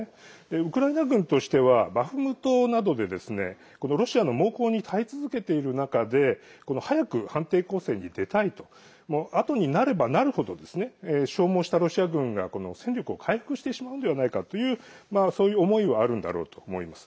ウクライナ軍としてはバフムトなどでこのロシアの猛攻に耐え続けている中で早く反転攻勢に出たいとあとになればなるほど消耗したロシア軍が戦力を回復してしまうのではないかというそういう思いはあるんだろうと思います。